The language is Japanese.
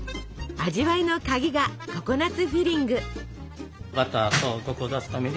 味わいの鍵がココナツフィリング。